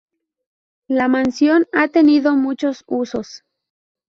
La Mansión ha tenido muchos usos.